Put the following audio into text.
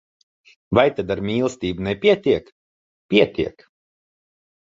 Vai tad ar mīlestību nepietiek? Pietiek!